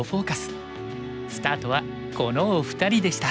スタートはこのお二人でした。